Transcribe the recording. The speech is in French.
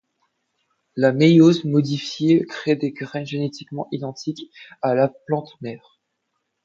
La méiose modifiée crée des graines génétiquement identiques à la plante mère.